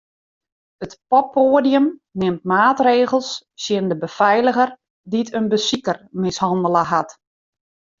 It poppoadium nimt maatregels tsjin de befeiliger dy't in besiker mishannele hat.